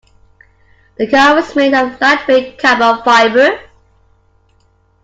The car was made of lightweight Carbon Fibre.